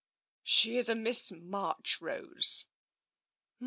" She is a Miss Marchrose."